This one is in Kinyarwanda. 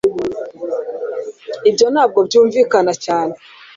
ibyo ntabwo byumvikana cyane